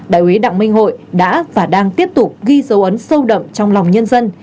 đại ủy đảng minh hội đã và đang tiếp tục ghi dấu ấn sâu đậm trong lòng nhân dân